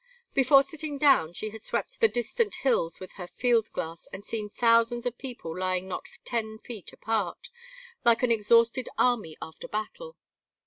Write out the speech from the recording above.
Before sitting down she had swept the distant hills with her field glass and seen thousands of people lying not ten feet apart, like an exhausted army after battle.